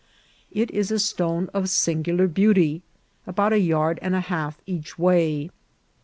It is a stone of singular beauty, about a yard and a half each way."